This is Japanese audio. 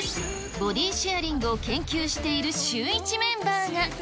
ボディシェアリングを研究しているシューイチメンバーが。